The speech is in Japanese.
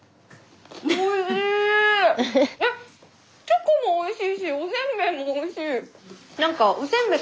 チョコもおいしいしおせんべいもおいしい。